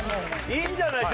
いいんじゃない？